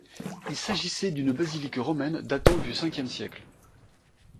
Il s'agissait d'une basilique romaine datant du Ve siecle.